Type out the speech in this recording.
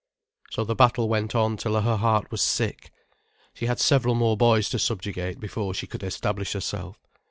So the battle went on till her heart was sick. She had several more boys to subjugate before she could establish herself.